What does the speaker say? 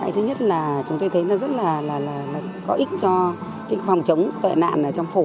thứ nhất là chúng tôi thấy nó rất là có ích cho phòng chống tội nạn trong phủ